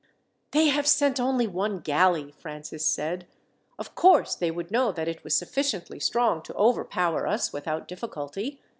"They have sent only one galley," Francis said. "Of course, they would know that it was sufficiently strong to overpower us without difficulty.